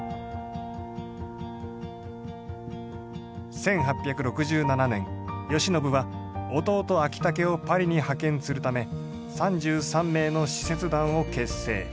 １８６７年慶喜は弟昭武をパリに派遣するため３３名の使節団を結成。